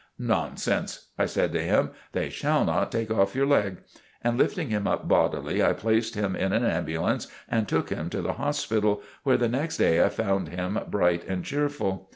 "Nonsense!" I said to him. "They shall not take off your leg." And lifting him up bodily, I placed him in an ambulance and took him to the Hospital, where the next day I found him bright and cheerful.